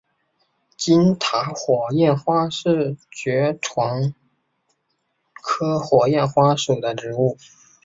金塔火焰花是爵床科火焰花属的植物。